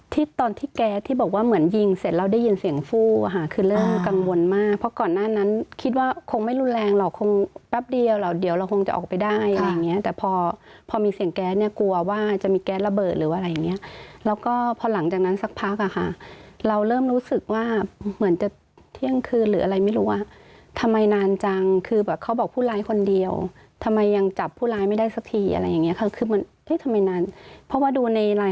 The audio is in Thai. ที่ตอนที่แก๊สที่บอกว่าเหมือนยิงเสร็จแล้วได้ยินเสียงฟูคือเริ่มกังวลมากเพราะก่อนหน้านั้นคิดว่าคงไม่รุนแรงหรอกคงแป๊บเดียวเดี๋ยวเราคงจะออกไปได้อะไรอย่างนี้แต่พอมีเสียงแก๊สกลัวว่าจะมีแก๊สระเบิดหรืออะไรอย่างนี้แล้วก็พอหลังจากนั้นสักพักค่ะเราเริ่มรู้สึกว่าเหมือนจะเที่ยงคืนหรืออะไรไม่รู้